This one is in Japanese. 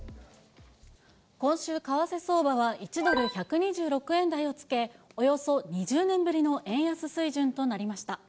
今週、為替相場は、１ドル１２６円台をつけ、およそ２０年ぶりの円安水準となりました。